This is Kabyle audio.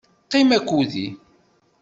Qqim akked-i.